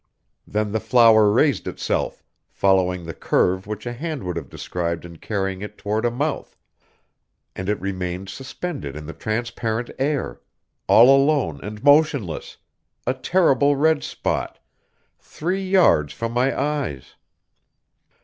Then the flower raised itself, following the curve which a hand would have described in carrying it toward a mouth, and it remained suspended in the transparent air, all alone and motionless, a terrible red spot, three yards from my eyes.